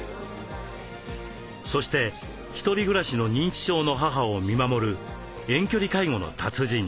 そして一人暮らしの認知症の母を見守る遠距離介護の達人。